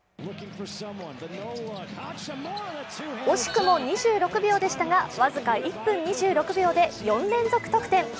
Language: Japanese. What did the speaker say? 惜しくも２６秒でしたが、僅か１分２６秒で４連続得点。